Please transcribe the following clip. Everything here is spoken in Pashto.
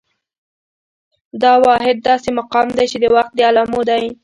دا واحد داسې مقام دى، چې د وخت د علامو دى